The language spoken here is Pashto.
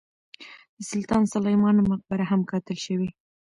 د سلطان سلیمان مقبره هم کتل شوې.